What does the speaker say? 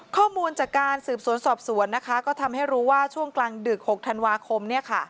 ข้อมูลจากการสืบสวนสอบสวนนะคะก็ทำให้รู้ว่าช่วงกลางดึก๖ธันวาคม